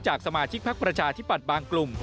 จากสมาชิกภักดิ์ประชาอธิบัติบางกลุ่ม